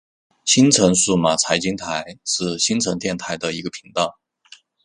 新城数码财经台是新城电台的一个频道。